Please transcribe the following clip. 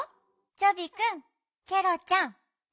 チョビくんケロちゃんバンバン。